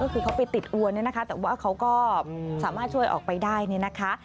ก็คือเขาไปติดอวลนะคะแต่ว่าเขาก็สามารถช่วยออกไปได้นะคะ